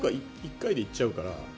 １回で行っちゃうから。